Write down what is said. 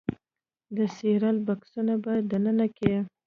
د سیریل بکسونو په دننه کې